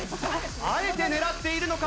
あえて狙っているのか？